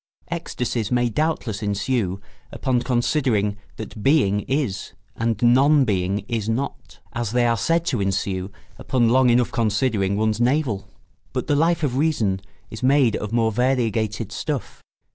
Ecstasies may doubtless ensue upon considering that Being is and Non Being is not, as they are said to ensue upon long enough considering one's navel; but the Life of Reason is made of more variegated stuff.